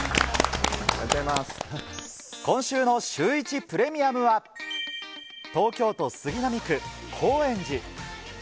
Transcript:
今週のシューイチプレミアムは、東京都杉並区高円寺。